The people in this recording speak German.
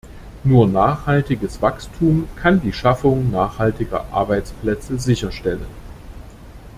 Nur nachhaltiges Wachstum kann die Schaffung nachhaltiger Arbeitsplätze sicherstellen.